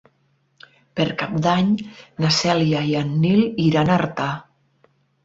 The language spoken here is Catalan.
Per Cap d'Any na Cèlia i en Nil iran a Artà.